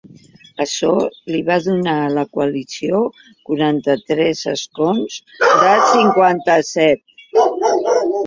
Açò li va donar a la coalició quaranta-tres escons de cinquanta-set.